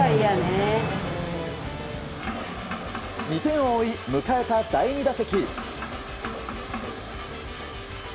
２点を追い、迎えた第２打席。